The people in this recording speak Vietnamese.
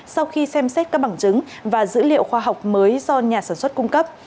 sau khi xem xét các bằng chứng và dữ liệu khoa học mới do nhà sản xuất cung cấp